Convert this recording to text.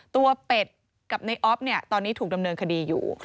ตัวเป็ดกับนายอ๊อบตอนนี้ถูกดำเนินคดีอยู่